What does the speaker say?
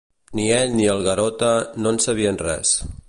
Ni ell ni el Garota no en sabien res.